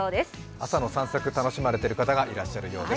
朝の散策、楽しまれている方がいらっしゃるようです。